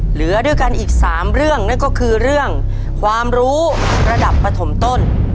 เหลือด้วยกันอีก๓เรื่องนั่นก็คือเรื่องความรู้ระดับปฐมต้น